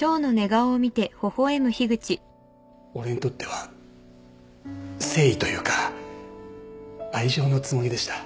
俺にとっては誠意というか愛情のつもりでした。